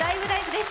です。